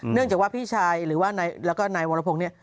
เนื่องจากว่าพี่ชายหรือว่าแล้วก็นายวรพงศ์เนี่ย